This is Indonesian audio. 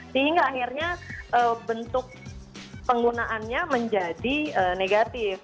sehingga akhirnya bentuk penggunaannya menjadi negatif